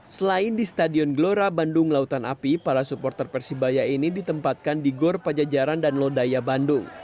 selain di stadion gelora bandung lautan api para supporter persebaya ini ditempatkan di gor pajajaran dan lodaya bandung